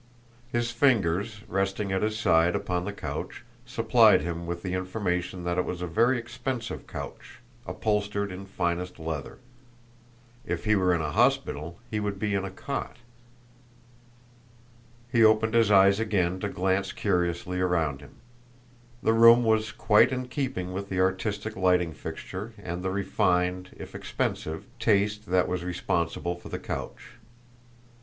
His fingers, resting at his side upon the couch, supplied him with the information that it was a very expensive couch, upholstered in finest leather. If he were in a hospital, he would be in a cot. He opened his eyes again to glance curiously around him. The room was quite in keeping with the artistic lighting fixture and the refined, if expensive, taste that was responsible for the couch.